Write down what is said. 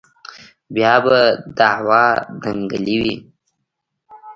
بيا به دعوې دنگلې وې.